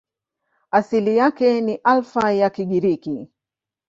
Asili yake ni Alfa ya Kigiriki.